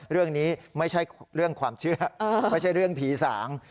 เรื่องนี้ไม่ใช่เรื่องความเชื่อไม่ใช่เรื่องผีสาง